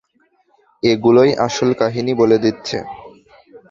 এগুলোই আসল কাহিনী বলে দিচ্ছে।